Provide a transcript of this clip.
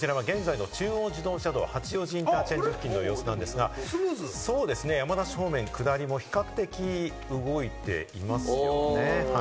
こちらは現在の中央自動車道・八王子インターチェンジ付近の様子なんですが、山梨方面下りも比較的動いていますよね。